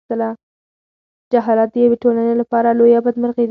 جهالت د یوې ټولنې لپاره لویه بدمرغي ده.